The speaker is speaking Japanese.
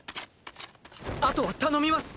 あとは頼みます！